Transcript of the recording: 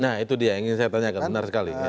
nah itu dia yang ingin saya tanyakan benar sekali